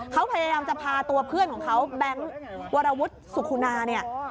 เขาพยายามจะพาตัวเพื่อนของเขาแบงค์วรวุฒิสุขุนาเนี่ย